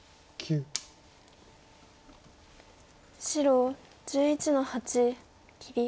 白１１の八切り。